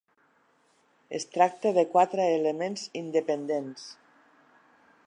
Es tracta de quatre elements independents.